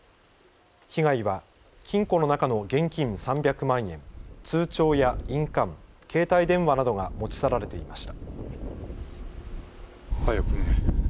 被害は金庫の中の現金３００万円、通帳や印鑑、携帯電話などが持ち去られていました。